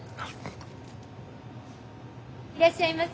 いらっしゃいませ。